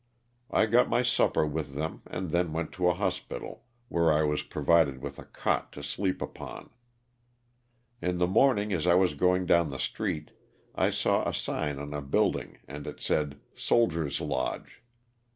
I got my supper with them and then went to a hospital where I was provided with a cot to sleep upon. In the morning as I was going down the street I saw a sign on a building and it said " Soldier's Lodge."